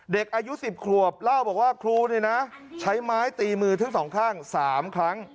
เด็กอายุ๑๐ครับเล่าบอกว่าครูใช้ไม้ตีมือทั้ง๒ข้าง๓ครั้ง